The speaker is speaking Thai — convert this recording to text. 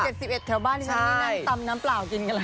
๗๑ปีแถวบ้านที่นี่นั่นนั่นตำน้ำเปล่ากินกันแหละ